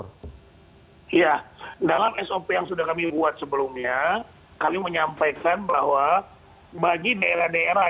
iya dalam sop yang sudah kami buat sebelumnya kami menyampaikan bahwa bagi daerah daerah